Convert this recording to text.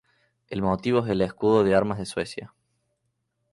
El motivo es el escudo de armas de Suecia.